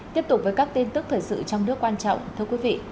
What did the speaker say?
tiếp tục với các tin tức thời sự trong nước quan trọng thưa quý vị